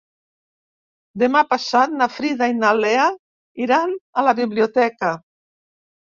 Demà passat na Frida i na Lea iran a la biblioteca.